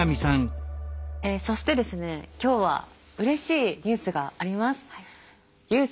えそしてですね今日はうれしいニュースがあります。